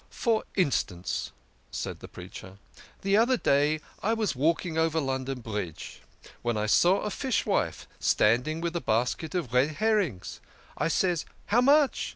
" For instance," said the preacher, " the other day I was walking over London Bridge, when I saw a fishwife standing with a basket of red herrings. I says, ' How much